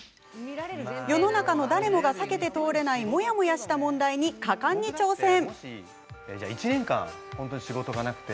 世の中の誰もが避けて通れないモヤモヤした問題に果敢に挑戦。